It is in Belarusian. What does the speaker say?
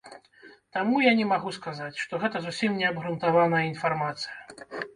Таму я не магу сказаць, што гэта зусім неабгрунтаваная інфармацыя.